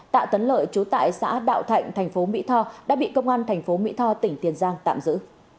tạ tấn lợi trú tại xã đạo thạnh tp mỹ tho đã bị công an tp mỹ tho tỉnh tiền giang tạm giữ